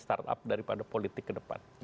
jadi bagian start up daripada politik ke depan